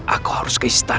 aku harus ke istana